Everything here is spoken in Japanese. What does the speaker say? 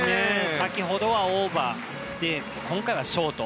先ほどはオーバーで今回はショート。